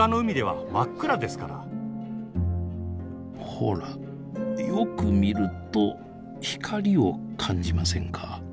ほらよく見ると光を感じませんか？